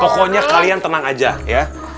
pokoknya kalian tenang aja ya